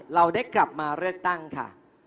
เราได้กลับมาเลือกตั้งค่ะ